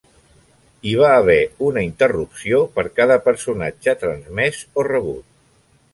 Hi va haver una interrupció per cada personatge transmès o rebut.